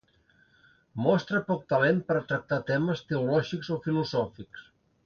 Mostra poc talent per tractar temes teològics o filosòfics.